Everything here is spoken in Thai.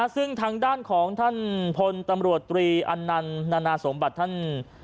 ซึ่งทางด้านของท่านพลตำรวจตรีอันนันต์นานาสมบัติท่าน